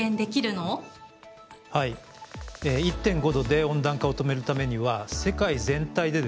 １．５℃で温暖化を止めるためには世界全体でですね